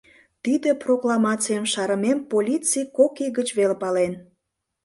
Тиде прокламацийым шарымем полиций кок ий гыч веле пален.